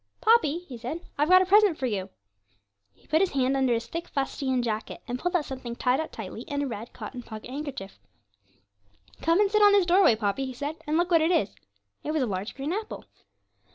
'Poppy,' he said, 'I've got a present for you.' He put his hand under his thick fustian jacket and pulled out something tied up tightly in a red cotton pocket handkerchief. 'Come and sit on this doorstep, Poppy,' he said, 'and look what it is.' It was a large green apple.